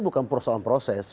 bukan soal proses